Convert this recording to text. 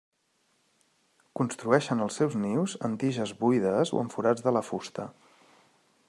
Construeixen els seus nius en tiges buides o en forats de la fusta.